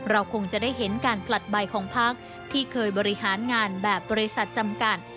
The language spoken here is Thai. คงจะได้เห็นการผลัดใบของพักที่เคยบริหารงานแบบบริษัทจำกัด